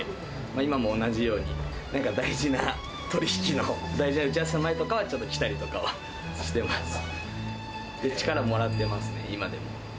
今も同じように、なんか、大事な取り引きの、大事な打ち合わせの前とかは、ちょっと来たりとかはしてます。